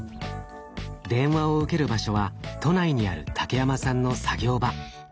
電話を受ける場所は都内にある竹山さんの作業場。